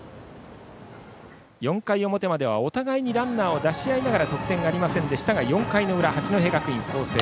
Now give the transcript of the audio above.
４回表までお互いランナーを出し合いながら得点がありませんでしたが４回の裏、八戸学院光星。